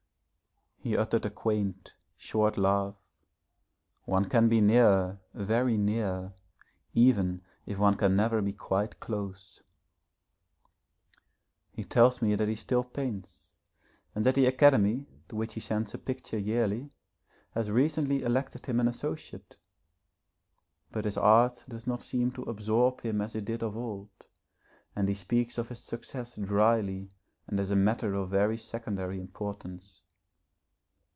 He uttered a quaint, short laugh. 'One can be near very near, even if one can never be quite close.' He tells me that he still paints, and that the Academy, to which he sends a picture yearly, has recently elected him an Associate. But his art does not seem to absorb him as it did of old, and he speaks of his success drily and as a matter of very secondary importance.